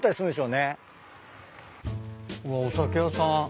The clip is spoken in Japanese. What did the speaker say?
うわお酒屋さん。